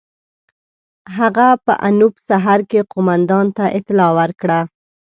هغه په انوپ سهر کې قوماندان ته اطلاع ورکړه.